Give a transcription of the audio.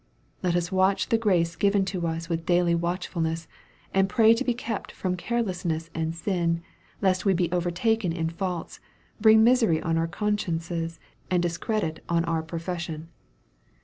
Let us watch the grace given to us with daily watchfulness, and pray to be kept from carelessness and sin, lest we be overtaken in faults, bring misery on our consciences, and discredit on our profession.